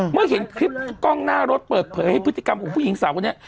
เมื่อเห็นคลิปกล้องหน้ารถเปิดเผยให้พฤติกรรมของผู้หญิงสาวคนนี้